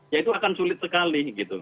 ya itu akan sulit sekali gitu